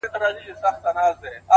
له څپو څخه د امن و بېړۍ ته -